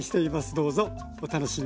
どうぞお楽しみに。